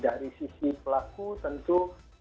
dari sisi pelaku tentu